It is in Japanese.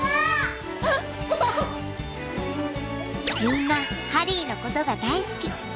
みんなハリーのことが大好き。